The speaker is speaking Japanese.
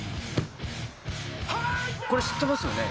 これ知ってますよね？